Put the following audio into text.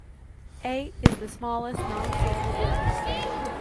A is the smallest non-solvable group.